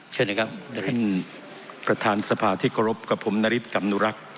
เชิญนะครับนฤทธิ์ท่านประธานสภาที่กรบกับผมนฤทธิ์ขำนุรักษ์